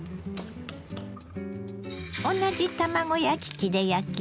同じ卵焼き器で焼きます。